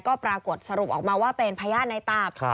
ก็ปรากฏสรุปออกมาว่าเป็นพญาติในตาบ